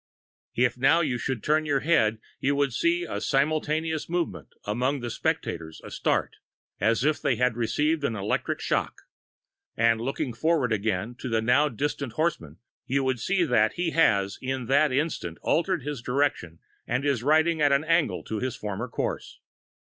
If now you should turn your head you would see a simultaneous movement among the spectators a start, as if they had received an electric shock and looking forward again to the now distant horseman you would see that he has in that instant altered his direction and is riding at an angle to his former course.